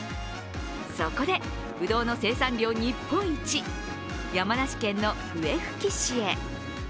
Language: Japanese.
そこで、ぶどうの生産量日本一、山梨県の笛吹市へ。